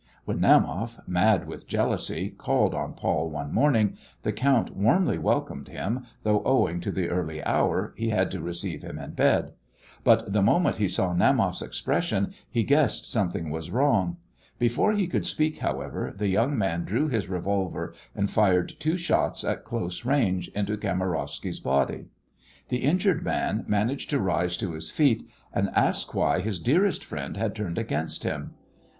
When Naumoff, mad with jealousy, called on Paul one morning, the count warmly welcomed him, though owing to the early hour he had to receive him in bed. But the moment he saw Naumoff's expression he guessed something was wrong. Before he could speak, however, the young man drew his revolver and fired two shots at close range into Kamarowsky's body. The injured man managed to rise to his feet and ask why his dearest friend had turned against him.